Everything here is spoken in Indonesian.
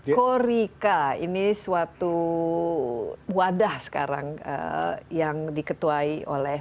korika ini suatu wadah sekarang yang diketuai oleh